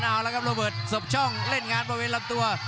เอาละครับโรเบิร์ตสบช่องเล่นงานบริเวณลำตัว